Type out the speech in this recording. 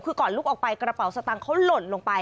คือก่อนลุกออกไปกระเป๋าสตางค์เขาหล่นลงไป